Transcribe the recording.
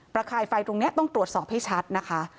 คายไฟตรงนี้ต้องตรวจสอบให้ชัดนะคะ